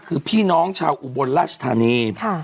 คือพี่น้องชาวอุบลราชธานี